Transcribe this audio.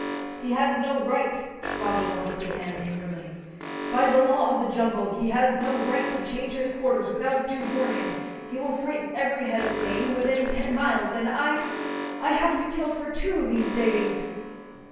'He has no right!' Father Wolf began angrily 'By the Law of the Jungle he has no right to change his quarters without due warning. He will frighten every head of game within ten miles, and I I have to kill for two, these days.'